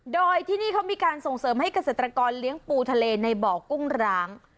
โดยที่นี่เขามีการส่งเสริมให้เกษตรกรเลี้ยงปูทะเลในบ่อกุ้งร้าง